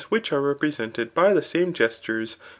which apelreprteemed. by the. same gestures